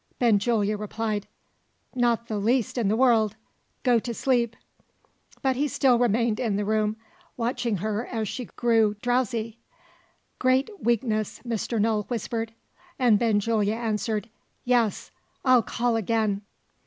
Benjulia replied, "Not the least in the world. Go to sleep." But he still remained in the room watching her as she grew drowsy. "Great weakness," Mr. Null whispered. And Benjulia answered, "Yes; I'll call again."